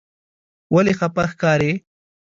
ولې خپه ښکارې؟